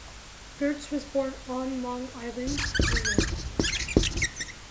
Gertz was born on Long Island, New York.